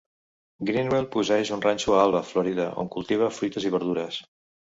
Greenwell posseeix un ranxo a Alva, Florida, on cultiva fruites i verdures.